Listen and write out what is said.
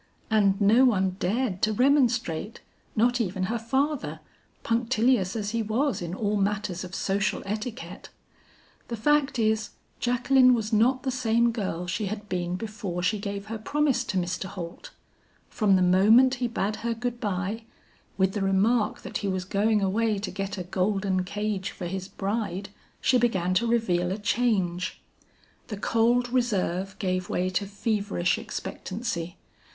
And no one dared to remonstrate, not even her father, punctillious as he was in all matters of social etiquette. The fact is, Jacqueline was not the same girl she had been before she gave her promise to Mr. Holt. From the moment he bade her good bye, with the remark that he was going away to get a golden cage for his bride, she began to reveal a change. The cold reserve gave way to feverish expectancy.